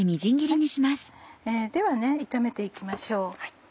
では炒めて行きましょう。